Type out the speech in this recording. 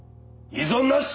異存なし！